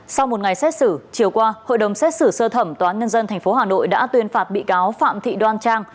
sau một ngày xét xử chiều qua hội đồng xét xử sơ thẩm tnth hà nội đã tuyên phạt bị cáo phạm thị đoan trang